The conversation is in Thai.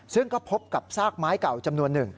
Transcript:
ซึ่งก็พบกับซากไม้เก่าจำนวนหนึ่ง